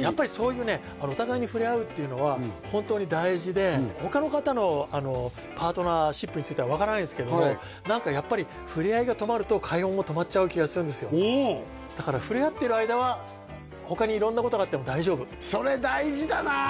やっぱりそういうねお互いに触れ合うっていうのは本当に大事で他の方のパートナーシップについては分からないですけども何かやっぱり触れ合いが止まると会話も止まっちゃう気がするんですよだから触れ合ってる間は他に色んなことがあっても大丈夫それ大事だな！